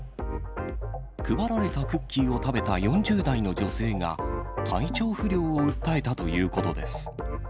配られたクッキーを食べた４０代の女性が、体調不良を訴えたということです。